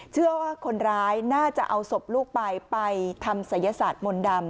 เชื่อว่าคนร้ายน่าจะเอาศพลูกไปไปทำศัยศาสตร์มนต์ดำ